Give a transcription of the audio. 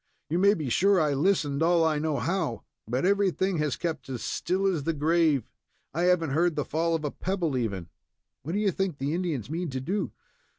"You may be sure I listened all I know how, but everything has kept as still as the grave. I haven't heard the fall of a pebble even. What do you think the Indians mean to do?"